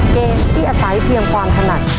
เกมที่อาศัยเพียงความถนัด